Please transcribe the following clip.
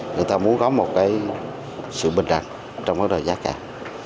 người ta muốn có một sự bình đẳng trong mối đòi giá càng